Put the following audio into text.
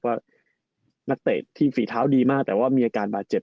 ว่านักเตะที่ฝีเท้าดีมากแต่ว่ามีอาการบาดเจ็บ